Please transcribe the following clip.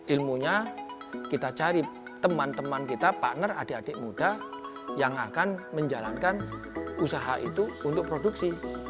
ilmunya kita cari teman teman kita partner adik adik muda yang akan menjalankan usaha itu untuk produksi